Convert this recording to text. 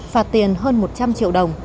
phạt tiền hơn một trăm linh triệu đồng